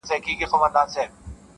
بیا اوښتی میکدې ته مي نن پام دی,